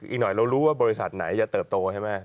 อีกหน่อยเรารู้ว่าบริษัทไหนจะเติบโตใช่ไหม